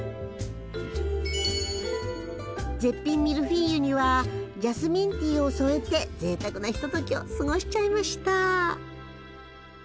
絶品ミルフィーユにはジャスミンティーを添えてぜいたくなひと時を過ごしちゃいました。